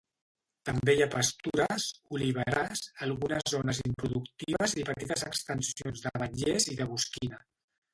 També hi ha pastures, oliverars, algunes zones improductives i petites extensions d'ametllers i de bosquina.